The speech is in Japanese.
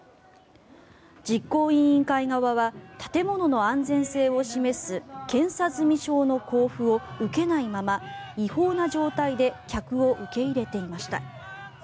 実行委員会側は建物の安全性を示す検査済証の交付を受けないまま、違法な状態で客を受け入れていました。